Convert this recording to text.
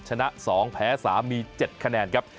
ชนะ๒แพ้สามี๗คะแนนครับ